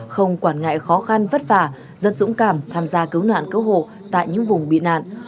không quản ngại khó khăn vất vả rất dũng cảm tham gia cứu nạn cứu hộ tại những vùng bị nạn